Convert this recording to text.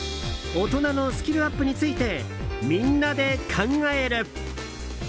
大人のスキルアップについてみんなで考える。